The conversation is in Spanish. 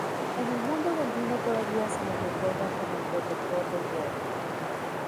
En el mundo del vino todavía se le recuerda como el "protector del Duero".